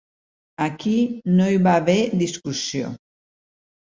Aquí no hi va haver discussió.